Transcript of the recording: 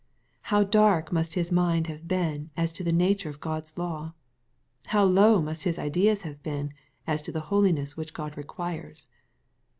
How dark must his mind have been as to the nature of God's law 1 How low must his ideas have been as to the holiness which God requires